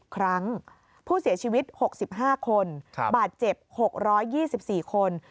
ครั้งผู้เสียชีวิต๖๕คนบาดเจ็บ๖๒๔คน